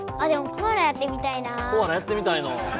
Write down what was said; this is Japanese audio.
コアラやってみたいの。